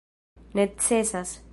necesas